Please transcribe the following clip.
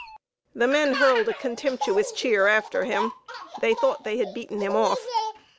The men hurled a contemptuous cheer after him; they thought they had beaten him off.